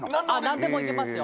何でもいけますよ